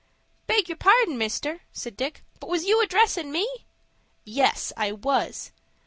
"Beg your pardon, mister," said Dick, "but was you addressin' me?" "Yes, I was."